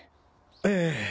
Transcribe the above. ええ。